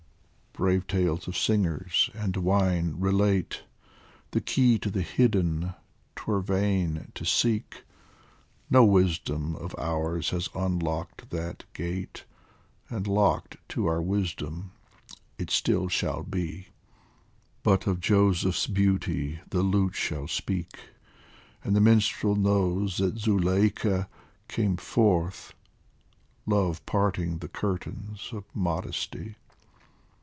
Brave tales of singers and wine relate, The key to the Hidden 'twere vain to seek ; No wisdom of ours has unlocked that gate, And locked to our wisdom it still shall be. But of Joseph's beauty the lute shall speak ; And the minstrel knows that Zuleika came forth, Love parting the curtains of modesty.